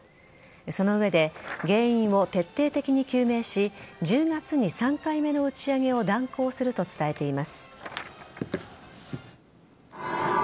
その上で原因を徹底的に究明し１０月に３回目の打ち上げを断行すると伝えています。